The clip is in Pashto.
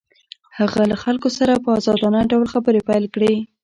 هغه له خلکو سره په ازادانه ډول خبرې پيل کړې.